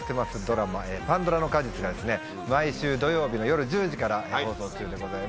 ドラマ『パンドラの果実』が毎週土曜日の夜１０時から放送中でございます。